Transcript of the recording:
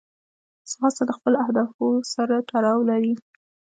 ځغاسته د خپلو اهدافو سره تړاو لري